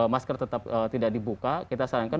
masker tetap tidak dibuka kita sarankan